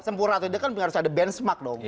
sempurna atau tidak kan harus ada benchmark dong